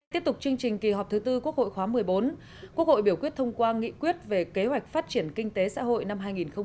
tiếp tục chương trình kỳ họp thứ tư quốc hội khóa một mươi bốn quốc hội biểu quyết thông qua nghị quyết về kế hoạch phát triển kinh tế xã hội năm hai nghìn hai mươi